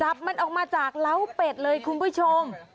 จับมันออกมาจากเล้าเป็ดเลยคุณผู้ชม